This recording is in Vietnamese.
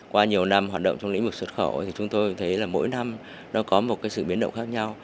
qua nhiều năm hoạt động trong lĩnh vực xuất khẩu thì chúng tôi thấy là mỗi năm nó có một cái sự biến động khác nhau